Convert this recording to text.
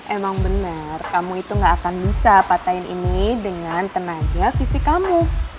emang bener kamu itu gak akan bisa patahin ini dengan tenaga fisik kamu